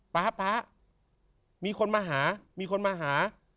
ภาพมีคนมาหา